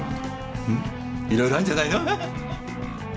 うんいろいろあんじゃないのははっ。